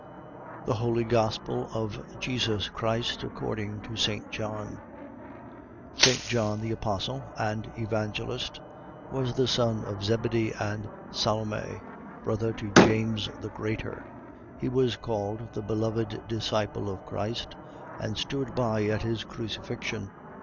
THE HOLY GOSPEL OF JESUS CHRIST ACCORDING TO ST. JOHN St. John the Apostle and Evangelist was the son of Zebedee and Salome, brother to James the Greater. He was called the Beloved disciple of Christ and stood by at his Crucifixion.